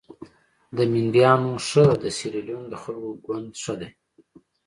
د مینډیانو ښه د سیریلیون د خلکو ګوند ښه دي.